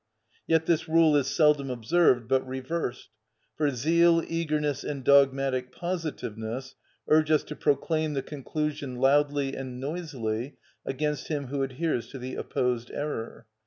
Yet this rule is seldom observed, but reversed; for zeal, eagerness, and dogmatic positiveness urge us to proclaim the conclusion loudly and noisily against him who adheres to the opposed error.